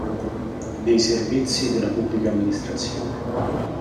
Dei servizi della Pubblica Amministrazione.